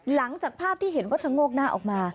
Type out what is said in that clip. หลังจากภาพที่เห็นว่าชะโงกหน้าออกมา